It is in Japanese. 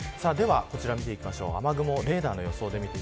ではこちらを見ていきましょう。